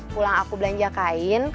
pulang aku belanja kain